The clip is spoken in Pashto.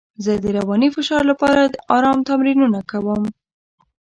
زه د رواني فشار لپاره ارام تمرینونه کوم.